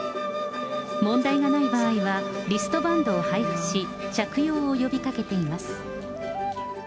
問題がない場合は、リストバンドを配布し、着用を呼びかけています。